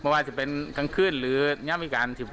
ว่าจะเป็นกลางคืนหรือน้ำวิการ